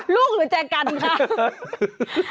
ลูกหรือแจกัญค่ะ